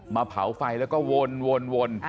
มาเผาไฟแล้วก็วน